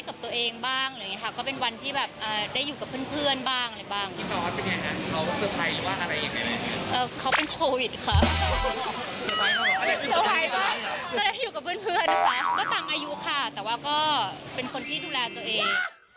ก็ต่างอายุแต่เป็นคนที่ดูแลตัวเอง